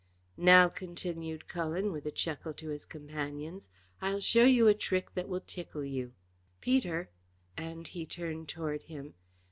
"Now," continued Cullen, with a chuckle to his companions, "I'll show you a trick that will tickle you. Peter," and he turned toward him.